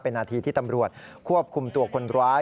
นาทีที่ตำรวจควบคุมตัวคนร้าย